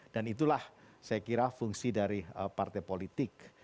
dan itulah saya kira fungsi dari partai politik